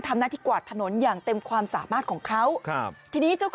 ทำหน้าที่กวาดถนนอย่างเต็มความสามารถของเขาครับทีนี้เจ้าของ